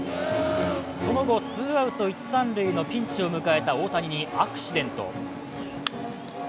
その後、ツーアウト一・三塁のピンチを迎えた大谷にアクシデント。